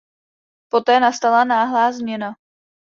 Poté nastala náhlá změna.